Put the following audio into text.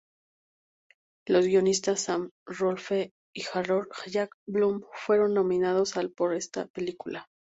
Los guionistas Sam Rolfe y Harold Jack Bloom fueron nominados al por esta película.